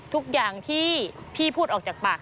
ทุกอย่างที่พี่พูดออกจากปาก